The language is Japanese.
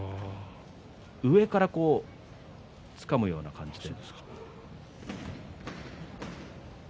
上からつかむような感じで。